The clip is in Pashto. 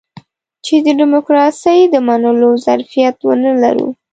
چې د ډيموکراسۍ د منلو ظرفيت ونه لرو.